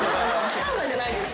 サウナじゃないです。